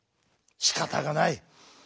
しかたがない。